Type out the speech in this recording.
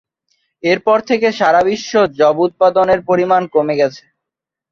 এর পর থেকে সারা বিশ্ব যব উৎপাদনের পরিমাণ কমে গেছে।